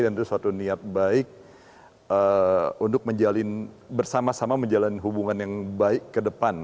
dan itu suatu niat baik untuk bersama sama menjalani hubungan yang baik ke depan